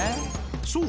そう。